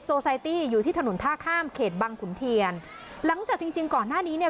ไซตี้อยู่ที่ถนนท่าข้ามเขตบังขุนเทียนหลังจากจริงจริงก่อนหน้านี้เนี่ย